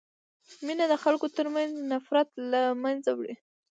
مینه د خلکو ترمنځ نفرت له منځه وړي.